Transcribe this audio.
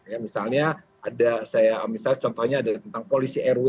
ya misalnya ada saya misalnya contohnya ada tentang polisi rw